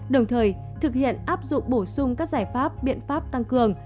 đồng thời thực hiện áp dụng bổ sung các giải pháp biện pháp tăng cường